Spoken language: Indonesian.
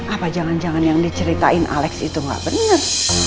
apa jangan jangan yang diceritain alex itu gak bener